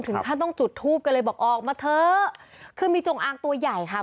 ท่านต้องจุดทูปกันเลยบอกออกมาเถอะคือมีจงอางตัวใหญ่ค่ะ